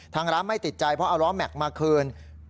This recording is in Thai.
ทางร้านไม่ติดใจเพราะเอาล้อแม็กซ์มาคืน